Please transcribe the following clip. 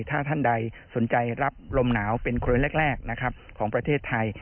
ถ้าท่านใดสนใจรับลมหนาวเป็นโครนแรกนะครับของประเทศไทย